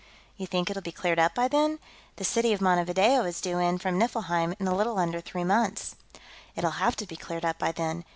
"You think it'll be cleared up by then? The City of Montevideo is due in from Niflheim in a little under three months." "It'll have to be cleared up by then.